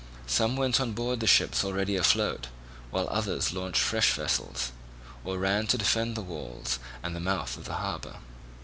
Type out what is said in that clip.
Some went on board the ships already afloat, while others launched fresh vessels, or ran to defend the walls and the mouth of the harbour.